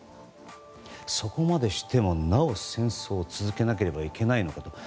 そこまでしてもなお戦争を続けなければいけないのか。